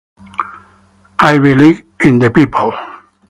I believe in the people.